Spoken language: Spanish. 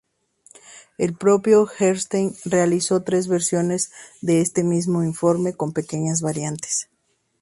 El propio Gerstein realizó tres versiones de este mismo informe, con pequeñas variantes.